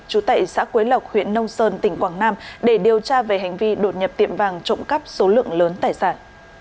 chú tệ xã quế lộc huyện nông sơn tỉnh quảng nam để điều tra về hành vi đột nhập tiệm vàng trộm cắp số lượng lớn tài sản